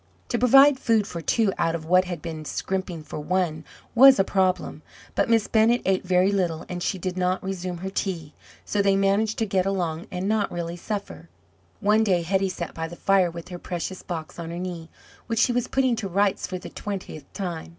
To provide food for two out of what had been scrimping for one was a problem; but Miss Bennett ate very little, and she did not resume her tea so they managed to get along and not really suffer. One day Hetty sat by the fire with her precious box on her knee, which she was putting to rights for the twentieth time.